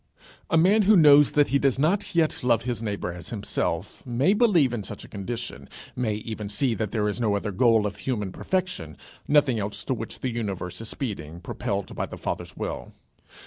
A man who knows that he does not yet love his neighbour as himself may believe in such a condition, may even see that there is no other goal of human perfection, nothing else to which the universe is speeding, propelled by the Father's will.